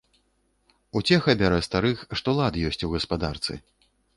Уцеха бярэ старых, што лад ёсць у гаспадарцы.